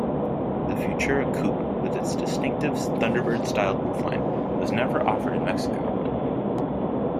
The Futura coupe with its distinctive Thunderbird-styled roofline was never offered in Mexico.